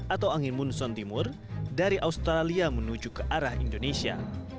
atau angin munson timur dari australia menuju ke arah indonesia